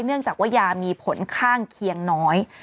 เนื่องจากว่ายามีผลข้างเคียงน้อย